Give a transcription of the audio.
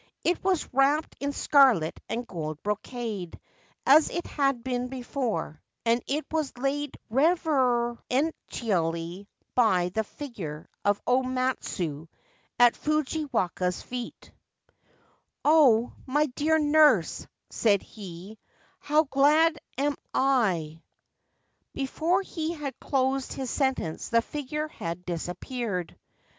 It was wrapped in scarlet and gold brocade, as it had been before, and it was laid reverentially by the figure of O Matsue at Fujiwaka's feet. 334 The Precious Sword c Natori No Hoto '' Oh, my dear nurse/ said he, ' how glad am I Before he had closed his sentence the figure had disappeared.